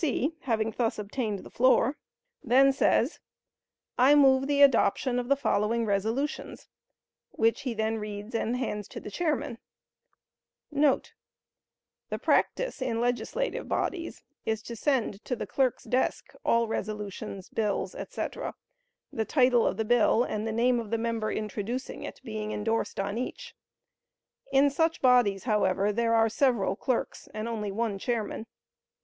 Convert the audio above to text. C., having thus obtained the floor, then says, "I move the adoption of the following resolutions," which he then reads and hands to the chairman;* [The practice in legislative bodies, is to send to the clerk's desk all resolutions, bills, etc., the title of the bill and the name of the member introducing it, being endorsed on each. In such bodies, however, there are several clerks and only one chairman.